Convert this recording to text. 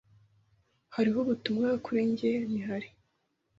Hariho ubutumwa kuri njye, ntihari?